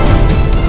aku tidak mau